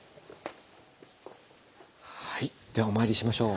はいではお参りしましょう。